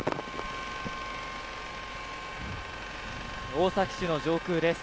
大崎市の上空です。